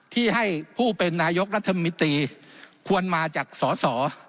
ที่ให้ผู้เป็นนายกรัฐมนตรีควรมาจากสอสอ